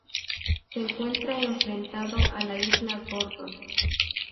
Se encuentra enfrentado a la isla Gordon.